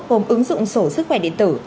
gồm ứng dụng sổ sức khỏe điện tử